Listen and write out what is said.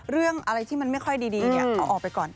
เรื่องอะไรที่มันไม่ค่อยดีเอาออกไปก่อน